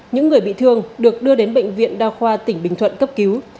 những người bị thương được đưa đến bệnh viện đa khoa tỉnh bình thuận cấp cứu